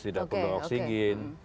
tidak perlu oksigen